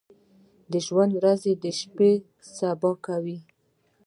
د ژوند ورځې شپې سبا کوي ۔